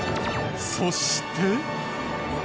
そして。